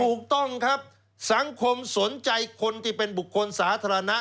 ถูกต้องครับสังคมสนใจคนที่เป็นบุคคลสาธารณะ